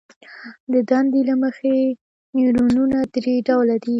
د دندې له مخې نیورونونه درې ډوله دي.